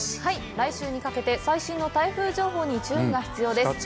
来週にかけて最新の台風情報に注意が必要です。